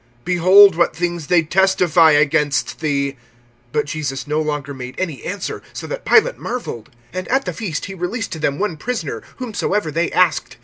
Behold what things they testify against thee. (5)But Jesus no longer made any answer; so that Pilate marveled. (6)And at the feast he released to them one prisoner, whomsoever they asked.